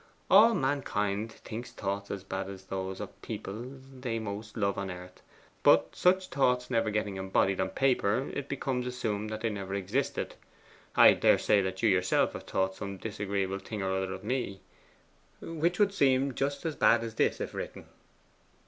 All mankind think thoughts as bad as those of people they most love on earth, but such thoughts never getting embodied on paper, it becomes assumed that they never existed. I daresay that you yourself have thought some disagreeable thing or other of me, which would seem just as bad as this if written.